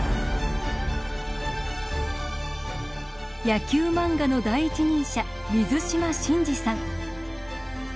野球漫画の第一人者水島新司さん。